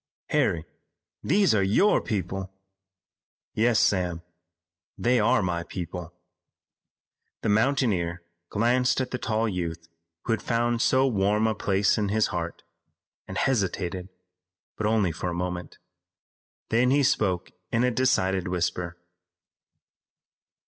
"Harry, these are your people." "Yes, Sam, they are my people." The mountaineer glanced at the tall youth who had found so warm a place in his heart, and hesitated, but only for a moment. Then he spoke in a decided whisper.